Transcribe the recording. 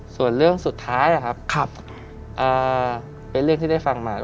ส่วนเรื่องสุดท้ายนะครับเป็นเรื่องที่ได้ฟังมา